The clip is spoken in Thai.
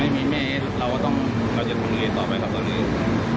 ไม่มีแม่เราต้องเราจะดูแลต่อไปครับตอนนี้